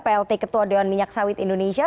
plt ketua dewan minyak sawit indonesia